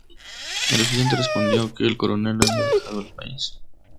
El estudiante respondió que el coronel había dejado el país.